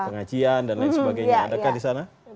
pengajian dan lain sebagainya ada kan di sana